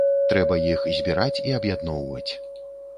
Трэба іх збіраць і аб'ядноўваць.